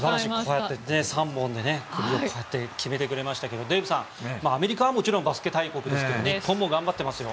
こうやって、３本で決めてくれましたけどデーブさん、アメリカはもちろんバスケ大国ですけど日本も頑張っていますよ。